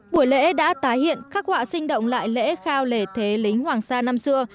buổi lễ đã tái hiện khắc họa sinh động lại lễ khao lễ thế lính hoàng sa năm xưa